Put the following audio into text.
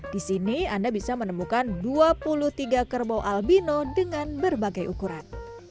di sini anda bisa menemukan dua puluh tiga kerbau albino dengan berbagai ukuran